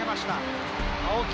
青木。